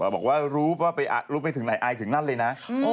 บอกว่ารูพไปถึงไหนไปถึงนั่นเลยนะ